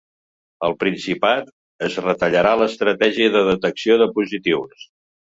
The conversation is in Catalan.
Al Principat, es retallarà l’estratègia de detecció de positius.